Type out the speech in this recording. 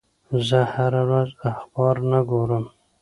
زه هره ورځ اخبار نه ګورم.